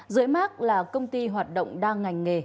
dưới mát là công ty hoạt động đa ngành nghề